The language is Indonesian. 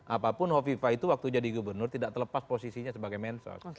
apapun hovifah itu waktu jadi gubernur tidak terlepas posisinya sebagai mensos